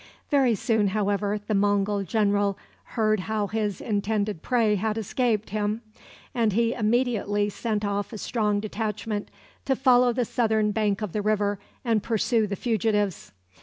Very soon, however, the Mongul general heard how his intended prey had escaped him, and he immediately sent off a strong detachment to follow the southern bank of the river and pursue the fugitives.